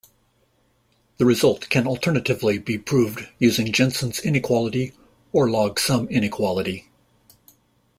The result can alternatively be proved using Jensen's inequality or log sum inequality.